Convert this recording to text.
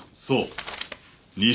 そう。